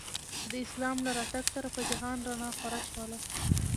د اسلام له راتګ سره په جهان رڼا خوره شوله.